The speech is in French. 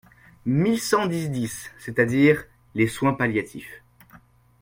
mille cent dix-dix », c’est-à-dire les soins palliatifs.